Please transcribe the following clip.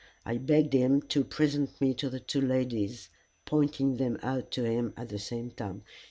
I begged him to present me to the two ladies, pointing them out to him at the same time.